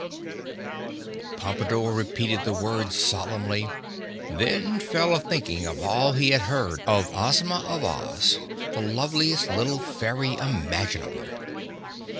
G._" Pompadore repeated the words solemnly; then fell a thinking of all he had heard of Ozma of Oz, the loveliest little fairy imaginable.